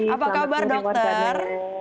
apa kabar dokter